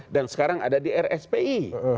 dan sekarang ada di rspi